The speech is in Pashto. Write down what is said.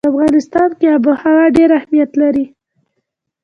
په افغانستان کې آب وهوا ډېر اهمیت لري.